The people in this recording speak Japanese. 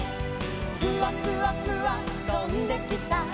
「フワフワフワとんできた」